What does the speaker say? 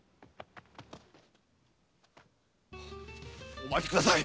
お待ちください！